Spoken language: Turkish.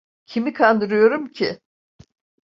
Kimi kandırıyorum ki?